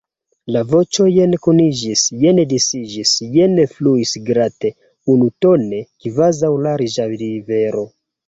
La voĉo jen kuniĝis, jen disiĝis, jen fluis glate, unutone, kvazaŭ larĝa rivero.